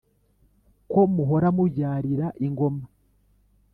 ko muhora mubyarira ingoma